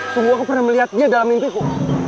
semua aku pernah melihat dia dalam mimpiku